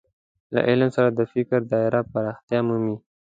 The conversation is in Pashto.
له علم سره د فکر دايره پراختیا مومي.